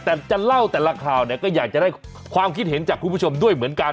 แต่จะเล่าแต่ละข่าวเนี่ยก็อยากจะได้ความคิดเห็นจากคุณผู้ชมด้วยเหมือนกัน